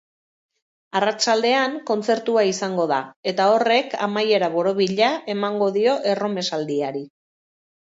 Arratsaldean kontzertua izango da, eta horrek amaiera borobila emango dio erromesaldiari.